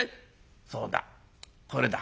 そうだこれだ。